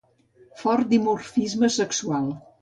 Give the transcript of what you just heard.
Fort dimorfisme sexual.